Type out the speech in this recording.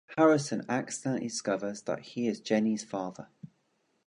Harrison accidentally discovers that he is Jenny's father.